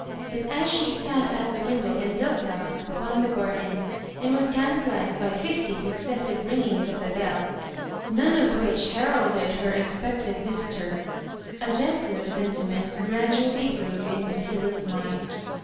But as she sat at the window and looked out upon the garden, and was tantalised by fifty successive ringings of the bell, none of which heralded her expected visitor, a gentler sentiment gradually grew in Lucilla's mind.